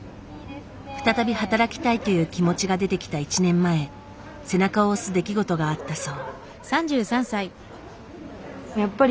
再び働きたいという気持ちが出てきた１年前背中を押す出来事があったそう。